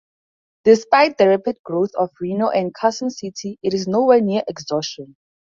Despite the rapid growth of Reno and Carson City, it is nowhere near exhaustion.